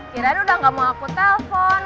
kirain udah nggak mau aku telpon